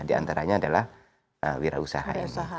di antaranya adalah wirausaha ini